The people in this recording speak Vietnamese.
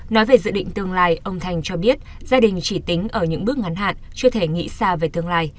nói về dự định tương lai ông thành cho biết gia đình chỉ tính ở những bước ngắn hạn chưa thể nghĩ xa về tương lai